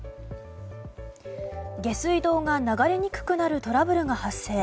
下水道が流れにくくなるトラブルが発生。